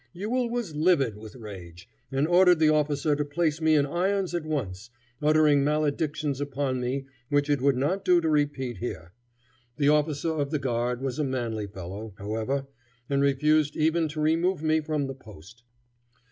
Ewell was livid with rage, and ordered the officer to place me in irons at once, uttering maledictions upon me which it would not do to repeat here. The officer of the guard was a manly fellow, however, and refused even to remove me from the post.